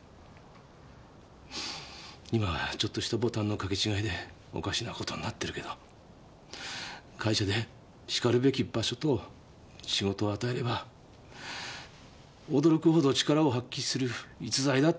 今はちょっとしたボタンのかけ違いでおかしな事になってるけど会社でしかるべき場所と仕事を与えれば驚くほど力を発揮する逸材だ。